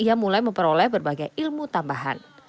ia mulai memperoleh berbagai ilmu tambahan